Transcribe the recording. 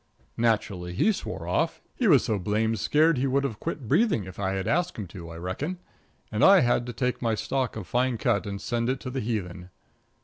Naturally, he swore off he was so blamed scared that he would have quit breathing if I had asked him to, I reckon. And I had to take my stock of fine cut and send it to the heathen.